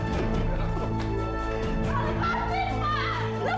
gak bisa lepaskan